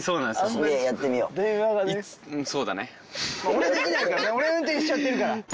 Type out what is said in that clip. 俺できないからね運転してるから。